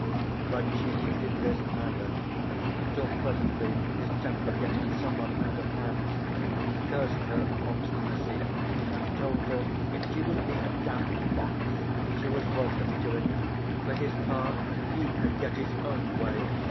But she heeded this neither until presently his temper getting somewhat out of hand he cursed her obstinacy and told her if she would be a damned fox she was welcome to it, for his part he could get his own way.